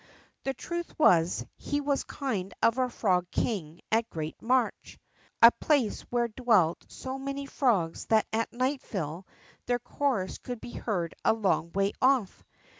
The truth was, he was a kind of frog king at Great Marsh, a place where dwelt so many frogs that at nightfall their chorus could he heard a long way off.